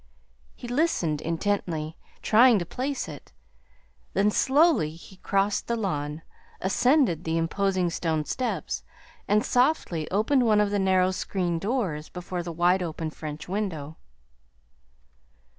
He listened intently, trying to place it; then slowly he crossed the lawn, ascended the imposing stone steps, and softly opened one of the narrow screen doors before the wide open French window.